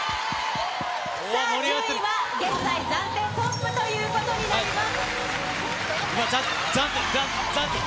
現在、暫定トップということ暫定、暫定。